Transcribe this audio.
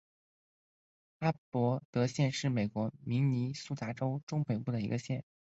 哈伯德县是美国明尼苏达州中北部的一个县。